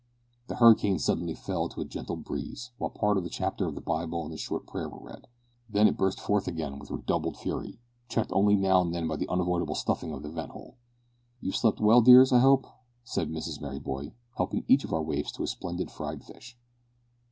The hurricane suddenly fell to a gentle breeze, while part of a chapter of the Bible and a short prayer were read. Then it burst forth again with redoubled fury, checked only now and then by the unavoidable stuffing of the vent hole. "You've slept well, dears, I hope?" said Mrs Merryboy, helping each of our waifs to a splendid fried fish.